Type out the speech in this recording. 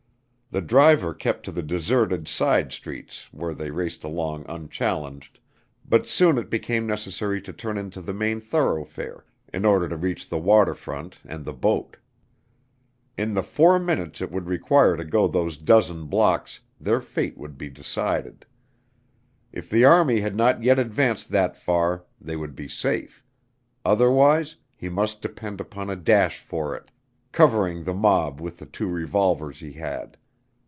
The driver kept to the deserted side streets where they raced along unchallenged, but soon it became necessary to turn into the main thoroughfare in order to reach the water front and the boat. In the four minutes it would require to go those dozen blocks their fate would be decided. If the army had not yet advanced that far, they would be safe; otherwise he must depend upon a dash for it, covering the mob with the two revolvers he had.